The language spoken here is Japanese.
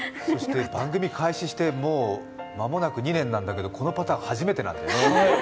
番組開始して、もう間もなく２年なんだけど、このパターン初めてなんだよね。